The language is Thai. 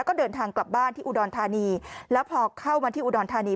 ก็เดินทางกลับบ้านที่อุดรธานีแล้วพอเข้ามาที่อุดรธานี